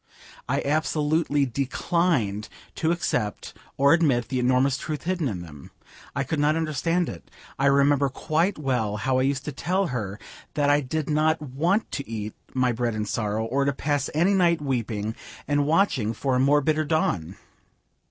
I absolutely declined to accept or admit the enormous truth hidden in them. I could not understand it. I remember quite well how I used to tell her that I did not want to eat my bread in sorrow, or to pass any night weeping and watching for a more bitter dawn.